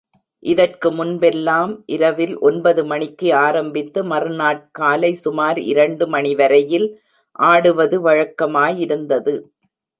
இதற்கு முன்பெல்லாம், இரவில் ஒன்பது மணிக்கு ஆரம்பித்து, மறு நாட்காலை சுமார் இரண்டு மணிவரையில் ஆடுவது வழக்கமாயிருந்தது.